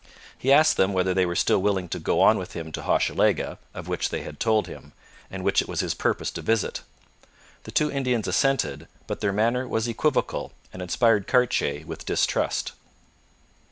He asked them whether they were still willing to go on with him to Hochelaga, of which they had told him, and which it was his purpose to visit. The two Indians assented, but their manner was equivocal and inspired Cartier with distrust.